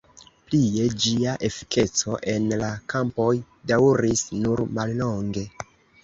Plie, ĝia efikeco en la kampoj daŭris nur mallonge.